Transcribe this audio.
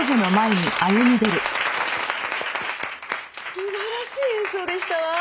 素晴らしい演奏でしたわ。